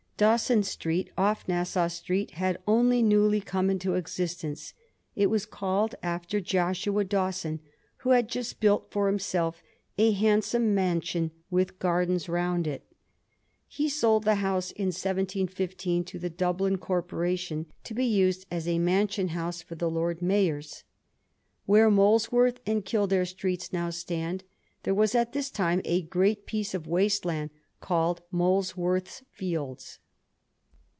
Dawson Street, off Nassau Street, had only newly come into existence. It was called after Joshua Dawson, who had just built for himself a handsome mansion with gardens round it. He sold the house in 1715 to the Dublin Corporation to be used as a Digiti zed by Google 108 A HISTORY OF THE FOUR GEORGES. cm. t. Mansion House for their Lord Mayors. Where Molesworth and Kildare Streets now stand there was At this time a great piece of waste land called Moles worth Fields.